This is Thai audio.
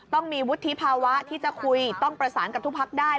ต้องมีวุฒิภาวะที่จะคุยต้องประสานกับทุกพักได้